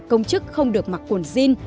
công chức không được mặc quần jean